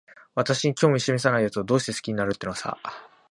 私に興味しめさないやつを、どうして好きになるってのさ。